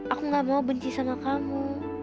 aku gak mau benci sama kamu